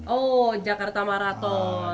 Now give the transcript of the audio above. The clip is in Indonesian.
oh jakarta marathon